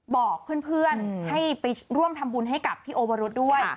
บอกเพื่อนให้ไปร่วมทำบุญให้กับพี่โอวรุษด้วย